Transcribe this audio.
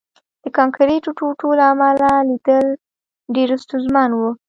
د کانکریټو ټوټو له امله لیدل ډېر ستونزمن وو